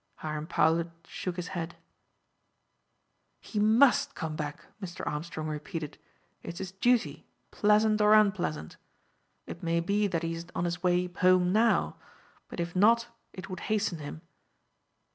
Hiram Powlett shook his head. "He must come back," Mr. Armstrong repeated; "it's his duty, pleasant or unpleasant. It may be that he is on his way home now; but if not, it would hasten him.